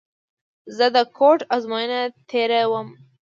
زه د کوډ ازموینه تېره ووم.